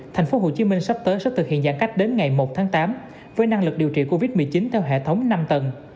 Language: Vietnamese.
thành phố hồ chí minh sắp tới sẽ thực hiện giãn cách đến ngày một tháng tám với năng lực điều trị covid một mươi chín theo hệ thống năm tầng